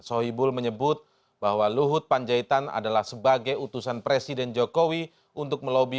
sohibul menyebut bahwa luhut panjaitan adalah sebagai utusan presiden jokowi untuk melobi